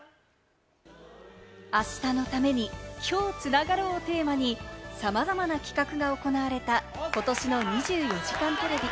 「明日のために、今日つながろう。」をテーマにさまざまな企画が行われた、ことしの『２４時間テレビ』。